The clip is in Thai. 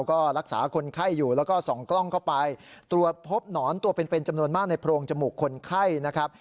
ก็รักษาคนไข้อยู่แล้วก็ส่องกล้องเข้าไปตรวจพบหนอนตัวเป็นเป็นจำนวนมากในโพรงจมูกคนไข้นะครับ